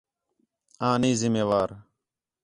آں نہیں ذِمّہ وار